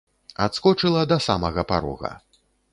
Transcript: Адскочыла да самага парога.